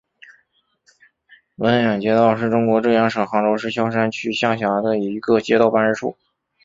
闻堰街道是中国浙江省杭州市萧山区下辖的一个街道办事处。